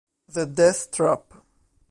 The Death Trap